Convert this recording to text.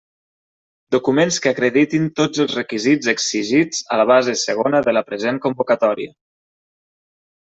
Documents que acreditin tots els requisits exigits a la base segona de la present convocatòria.